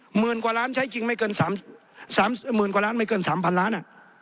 หมื่นกว่าล้านใช้จริงไม่เกิน๓พันล้าน